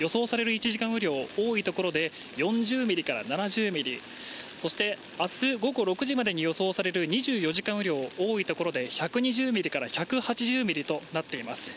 １時間雨量多いところで４０ミリから７０ミリ、そして明日午後６時までに予想される２４時間雨量多いところで１２０ミリから１８０ミリとなっています。